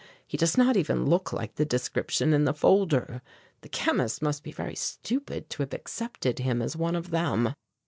He does not even look like the description in the folder. The chemists must be very stupid to have accepted him as one of them."